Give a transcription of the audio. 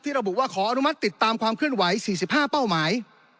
ระบุว่าขออนุมัติติดตามความเคลื่อนไหว๔๕เป้าหมาย